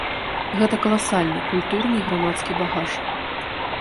Гэта каласальны культурны і грамадскі багаж.